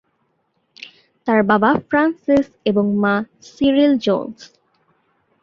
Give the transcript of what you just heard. তার বাবা ফ্রান্সেস এবং মা সিরিল জোন্স।